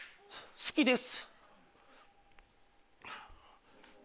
好きです。